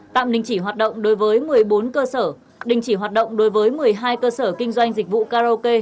tạm đình chỉ hoạt động đối với một mươi bốn cơ sở đình chỉ hoạt động đối với một mươi hai cơ sở kinh doanh dịch vụ karaoke